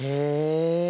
へえ！